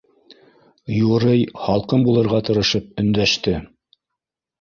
Юрый һалҡын булырға тырышып, өндәште: